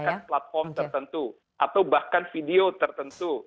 menggunakan platform tertentu atau bahkan video tertentu